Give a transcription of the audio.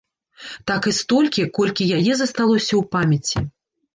Так і столькі, колькі яе засталося ў памяці.